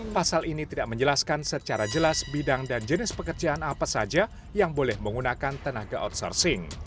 pasal ini tidak menjelaskan secara jelas bidang dan jenis pekerjaan apa saja yang boleh menggunakan tenaga outsourcing